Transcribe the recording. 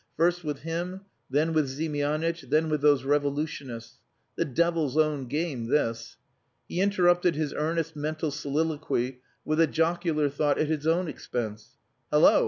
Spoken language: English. First with him, then with Ziemianitch, then with those revolutionists. The devil's own game this.... He interrupted his earnest mental soliloquy with a jocular thought at his own expense. "Hallo!